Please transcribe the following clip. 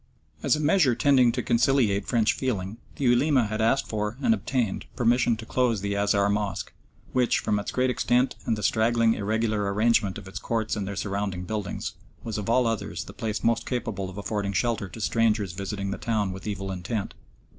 As a measure tending to conciliate French feeling, the Ulema had asked for and obtained permission to close the Azhar mosque, which, from its great extent and the straggling, irregular arrangement of its courts and their surrounding buildings, was of all others the place most capable of affording shelter to strangers visiting the town with evil intent.